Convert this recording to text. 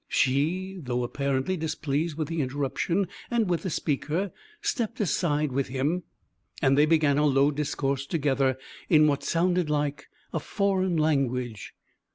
She though apparently displeased with the interruption and with the speaker, stepped aside with him, and they began a low discourse together, in what sounded like a foreign language.